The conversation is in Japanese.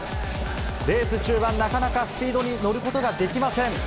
レース中盤、なかなかスピードに乗ることができません。